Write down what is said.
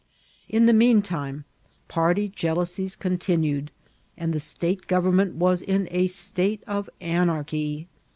In the mean time, party jealousies continued, and the state government was in a state ot anarchy.